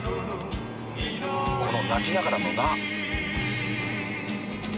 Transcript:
この泣きながらのな。